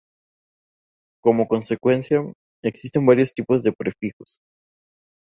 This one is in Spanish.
Como consecuencia, existen varios tipos de prefijos.